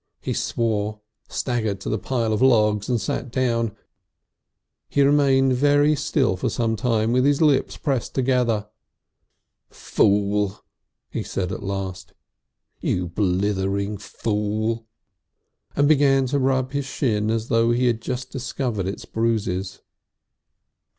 He swore, staggered to the pile of logs and sat down. He remained very still for some time, with his lips pressed together. "Fool," he said at last; "you Blithering Fool!" and began to rub his shin as though he had just discovered its bruises.